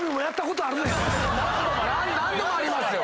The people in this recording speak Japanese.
何度もありますよ。